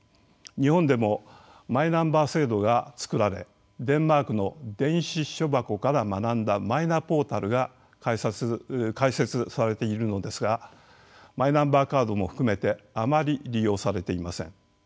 日本でもマイナンバー制度が作られデンマークの電子私書箱から学んだマイナポータルが開設されているのですがマイナンバーカードも含めてあまり利用されていません。